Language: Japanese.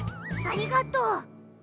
ありがとう！